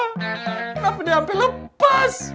kenapa dirinya sampai terloh empat ribu jidat